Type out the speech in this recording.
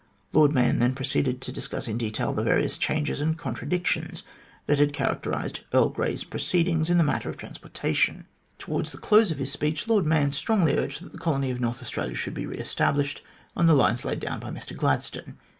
Lord Mahon then proceeded to discuss in detail the various changes and contradictions that had characterised Earl Grey's proceedings in the matter of transportation. THE VETO OF EARL GREY 61 Towards the close of his speech, Lord Mahon strongly urged that the colony of North Australia should be re established on the lines laid down by Mr Gladstone.